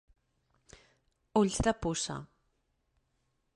Ulls de puça.